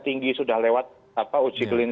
tinggi sudah lewat uji klinis